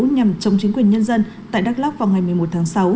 nhằm chống chính quyền nhân dân tại đắk lóc vào ngày một mươi một tháng sáu